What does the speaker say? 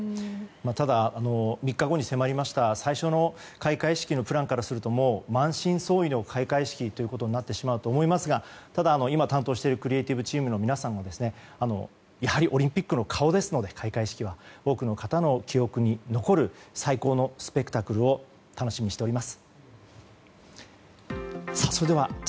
ただ、３日後に迫りました最初の開会式のプランからするともう、満身創痍の開会式となってしまうと思いますがただ、今単としているクリエーティブチームの皆さんがやはり開会式はオリンピックの顔ですので多くの方の記憶に残る最高のスペクタクルを楽しみにしております。